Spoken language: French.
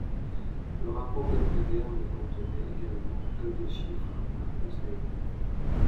Le rapport d'après-guerre ne contenait également que des chiffres à la place des noms.